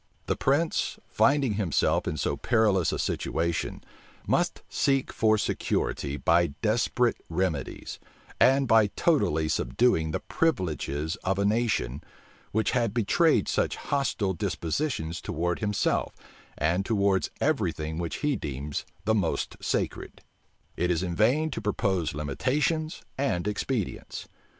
The prince, finding himself in so perilous a situation, must seek for security by desperate remedies, and by totally subduing the privileges of a nation, which had betrayed such hostile dispositions towards himself, and towards every thing which he deems the most sacred. It is in vain to propose limitations and expedients.